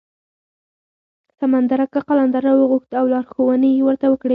سمندر اکا قلندر راوغوښت او لارښوونې یې ورته وکړې.